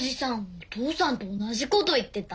お父さんと同じこと言ってた。